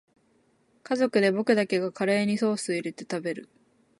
家族で僕だけがカレーにソースいれて食べる